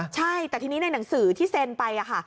ใช่แต่ทีนี้ในหนังสือที่เซ็นไปค่ะ